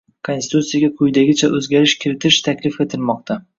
Konstitutsiyaga quyidagicha oʻzgarish kiritish taklif etilmoqda.